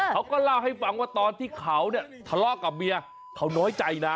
เขาก็เล่าให้ฟังว่าตอนที่เขาเนี่ยทะเลาะกับเมียเขาน้อยใจนะ